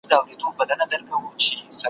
چي تر منځ به مو طلاوي وای وېشلي `